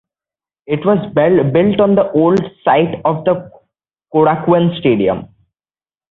It was built on the old site of the Korakuen stadium.